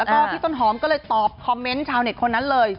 แล้วก็พี่ต้นหอมก็เลยตอบคอมเมนต์ชาวเน็ตคนนั้นเลย